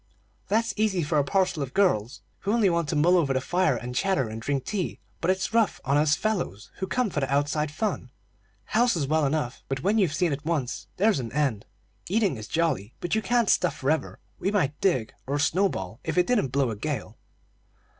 "That's easy for a parcel of girls, who only want to mull over the fire, and chatter, and drink tea; but it's rough on us fellows, who come for the outside fun. House is well enough; but when you've seen it once, there's an end. Eating is jolly, but you can't stuff forever. We might dig, or snowball, if it didn't blow a gale.